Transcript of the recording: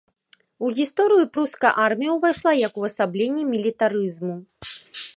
У гісторыю пруская армія ўвайшла як увасабленне мілітарызму.